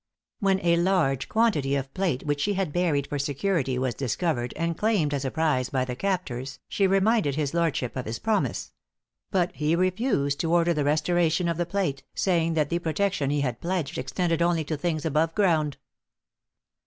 When a large quantity of plate which she had buried for security was discovered and claimed as a prize by the captors, she reminded his lordship of his promise; but he refused to order the restoration of the plate, saying that the protection he had pledged extended only to things above ground!